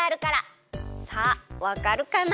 さあわかるかな？